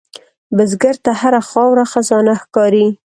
بزګر ته هره خاوره خزانه ښکاري